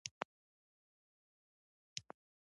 د سید په عصر کې یې هم دوام ورکاوه.